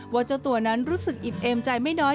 เจ้าตัวนั้นรู้สึกอิ่มเอมใจไม่น้อย